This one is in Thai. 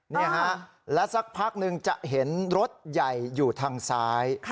นี่ฮะและสักพักหนึ่งจะเห็นรถใหญ่อยู่ทางซ้าย